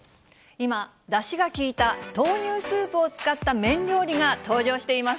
今、だしが効いた豆乳スープを使った麺料理が登場しています。